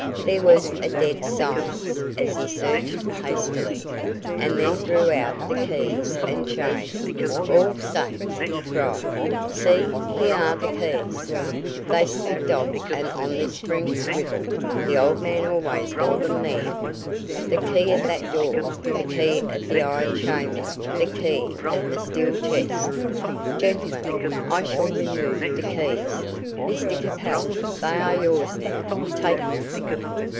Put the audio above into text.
There was a dead silence as he searched hastily, and then drew out the keys and chain. "All safe," he cried; "see, here are the keys. They slip off and on this spring swivel; the old man always wore them there. The key of that door; the key of the iron chamber; the key of the steel chest. Gentlemen, I shall remove the keys. Mr Capel, they are yours, now. Take them."